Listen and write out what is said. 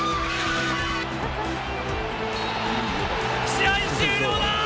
試合終了だ！